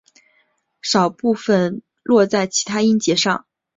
少部分落在其它音节上。